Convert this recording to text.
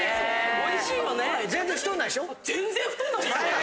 おいしいよね？